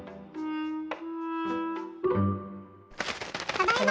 ただいま。